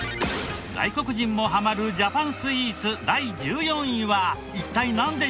外国人もハマるジャパンスイーツ第１４位は一体なんでしょう？